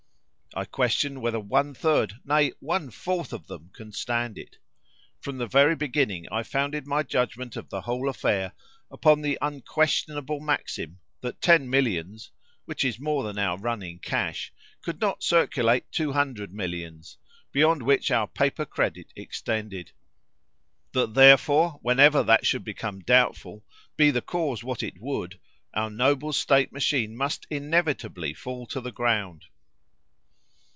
I question whether one third, nay, one fourth of them can stand it. From the very beginning, I founded my judgment of the whole affair upon the unquestionable maxim, that ten millions (which is more than our running cash) could not circulate two hundred millions, beyond which our paper credit extended. That, therefore, whenever that should become doubtful, be the cause what it would, our noble state machine must inevitably fall to the ground."